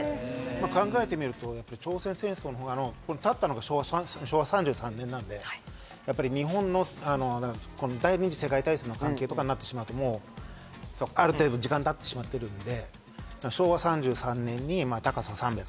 まあ考えてみるとやっぱ朝鮮戦争ここにたったのが昭和３３年なんでやっぱり日本の第２次世界大戦の関係とかになってしまうともうある程度時間たってしまってるんで・